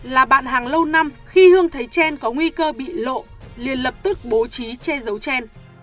là bạn hàng lâu năm khi hương thấy trên có nguy cơ bị lộ liền lập tức bố trí che giấu trên